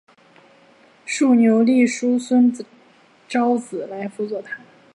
竖牛立叔孙昭子来辅佐他。